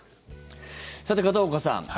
さて、片岡さん